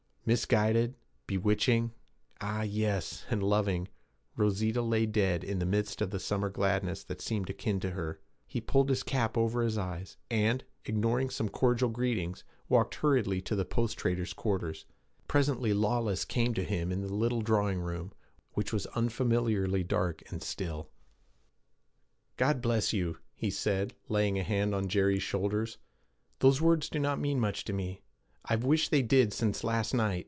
Misguided, bewitching, ah, yes, and loving, Rosita lay dead in the midst of the summer gladness that seemed akin to her. He pulled his cap over his eyes, and, ignoring some cordial greetings, walked hurriedly to the post trader's quarters. Presently Lawless came to him in the little drawing room, which was unfamiliarly dark and still. 'God bless you!' he said, laying a hand on Jerry's shoulder. 'Those words do not mean much to me. I've wished they did since last night.